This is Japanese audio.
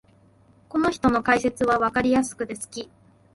この人の解説はわかりやすくて好き